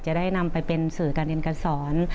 จะได้นำไปเป็นสื่อการเรียนการสอน